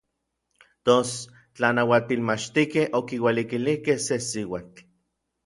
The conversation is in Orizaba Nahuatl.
Tos n tlanauatilmachtijkej okiualikilijkej se siuatl.